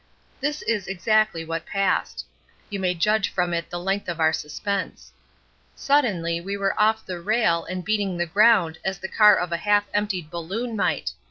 This is exactly what passed—you may judge from it the length of our suspense: Suddenly we were off the rail and beating the ground as the car of a half emptied balloon might.